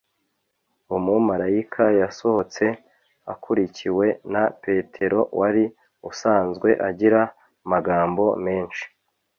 Umumarayika yasohotse akurikiwe na Petero wari usanzwe agira amagambo menshi